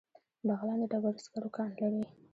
بغلان د ډبرو سکرو کان لري